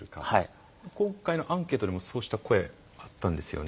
今回のアンケートでもそうした声あったんですよね